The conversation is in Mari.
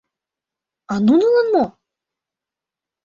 А нунылан мо?